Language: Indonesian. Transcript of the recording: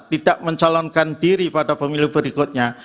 tidak mencalonkan diri pada pemilu berikutnya